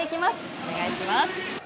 お願いします。